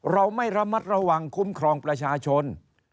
เราไม่ระมัดระวังคุ้มครองประชาชน